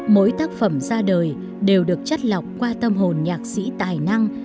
mỗi tác phẩm ra đời đều được chất lọc qua tâm hồn nhạc sĩ tài năng